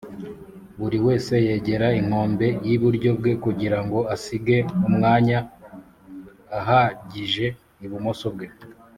buri wese yegera inkombe y’iburyo bwe Kugirango asige Umwanya ahagije ibumoso bwe